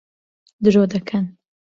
درۆ دەکەن.